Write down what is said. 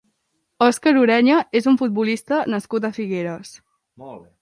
Oscar Ureña és un futbolista nascut a Figueres.